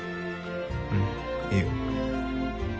うんいいよ。